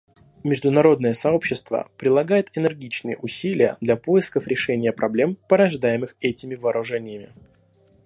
Международное сообщество прилагает энергичные усилия для поисков решения проблем, порождаемых этими вооружениями.